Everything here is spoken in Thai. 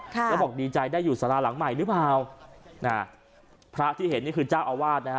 แล้วบอกดีใจได้อยู่สาราหลังใหม่หรือเปล่านะพระที่เห็นนี่คือเจ้าอาวาสนะฮะ